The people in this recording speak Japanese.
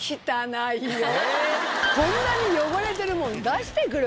こんなに汚れてるもの出してくる？